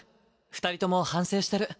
二人とも反省してる。